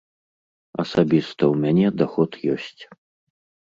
Асабіста ў мяне даход ёсць.